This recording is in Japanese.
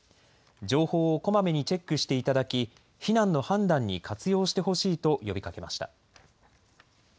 情報をこまめにチェックしていただき、避難の判断に活用してほしいと呼びかけました。